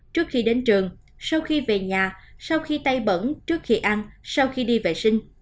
trước khi đến trường sau khi về nhà sau khi tay bẩn trước khi ăn sau khi đi vệ sinh